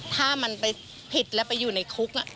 ถ้ามันไปผิดแล้วไปอยู่ในคุก